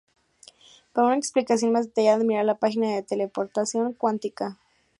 Para una explicación más detallada, mirar la página de teleportación cuántica.